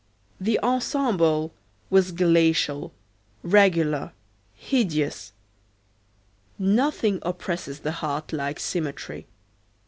The ensemble was glacial, regular, hideous. Nothing oppresses the heart like symmetry.